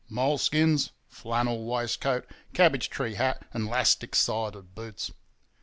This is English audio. Moleskins, flannel waistcoat, cabbage tree hat and 'lastic side boots.